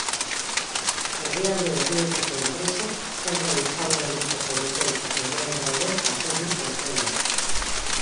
Herrialde horietako enpresek zorrei aurre egiteko duten egoera ere jaso du txostenak.